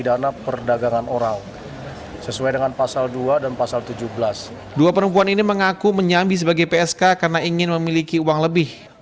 dua perempuan ini mengaku menyambi sebagai psk karena ingin memiliki uang lebih